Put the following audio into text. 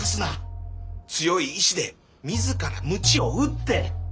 強い意志で自らムチを打って。